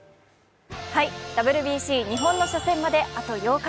ＷＢＣ日本の初戦まであと８日。